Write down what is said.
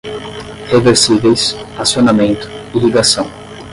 reversíveis, acionamento, irrigação